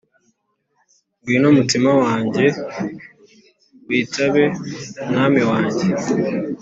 Ngwino mutima wanjye witabe umwami wawe